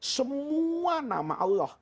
semua nama allah